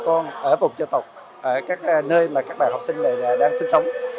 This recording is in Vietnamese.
chúng tôi mong muốn là các bà con ở vùng dân tộc các nơi mà các bà học sinh đang sinh sống